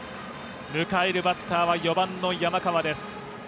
迎えるバッターは４番の山川です。